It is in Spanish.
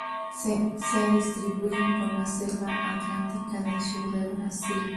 Se distribuyen por la selva atlántica del sur de Brasil.